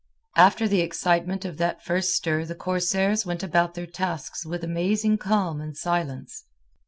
After the excitement of that first stir the corsairs went about their tasks with amazing calm and silence.